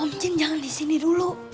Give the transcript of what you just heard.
om jin jangan disini dulu